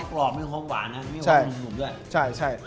กรอบเป็นของหวานนะใช่มีของหลุมด้วยใช่ใช่